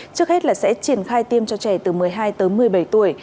trước hết là sẽ triển khai tiêm cho trẻ từ một mươi hai tới một mươi bảy tuổi